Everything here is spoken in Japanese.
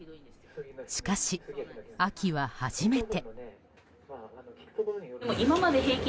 しかし、秋は初めて。